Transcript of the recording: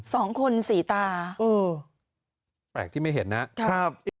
สองคนสี่ตาเออแปลกที่ไม่เห็นนะครับ